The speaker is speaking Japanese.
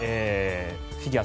フィギュア